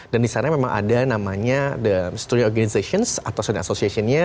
dan disana memang ada namanya the student organization atau student association nya